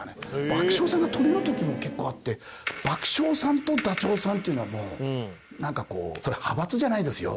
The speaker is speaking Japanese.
爆笑さんがトリの時も結構あって爆笑さんとダチョウさんっていうのはもうなんかこう派閥じゃないですよ。